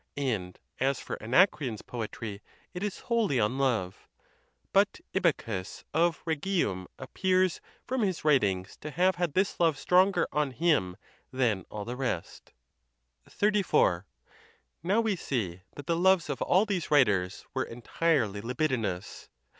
And as for Anacreon's poetry, it. is wholly on love. But Ibycus of Rhegium appears, from his writings, to have had this love stronger on him than all the rest. XXXIV. Now we see that the loves of all these writ ers were entirely libidinous.